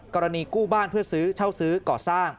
กู้บ้านเพื่อซื้อเช่าซื้อก่อสร้าง